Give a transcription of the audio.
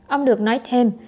ông được nói thêm